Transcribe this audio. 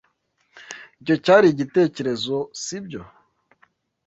Icyo cyari igitekerezo, sibyo?